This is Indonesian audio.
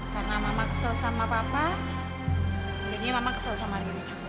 karena mama kesel sama pak mar